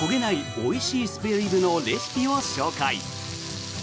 おいしいスペアリブのレシピを紹介。